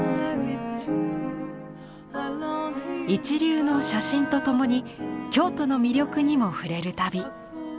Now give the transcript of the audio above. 一流の写真とともに京都の魅力にも触れる旅。